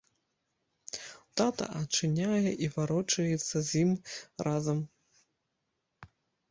Тата адчыняе і варочаецца з ім разам.